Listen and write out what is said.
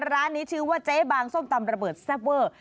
ร้านนี้ชื่อว่าเจ๊บางส้มตำระเบิดแซ่บเวอร์